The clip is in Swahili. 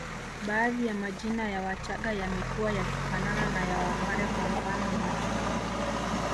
Baadhi ya majina ya Wachaga yamekuwa yakifanana na ya wapare kwa mfano Machwa